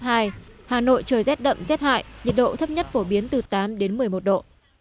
hà nội trời rét đậm rét hại nhiệt độ thấp nhất phổ biến từ tám đến một mươi một độ